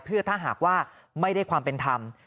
เพื่อถ้าหากว่าไม่ได้ความเป็นธรรม